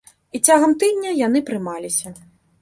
І цягам тыдня яны прымаліся.